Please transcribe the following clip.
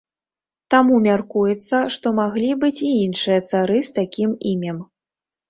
Таму мяркуецца, што маглі быць і іншыя цары з такім імем.